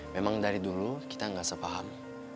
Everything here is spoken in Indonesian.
memang dari dulu kita nggak sepaham